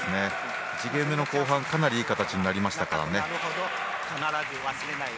１ゲームの後半かなりいい形になりましたから。